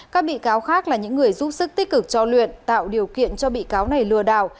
các bị cáo khác là những người giúp sức tích cực cho luyện tạo điều kiện cho bị cáo này lừa đảo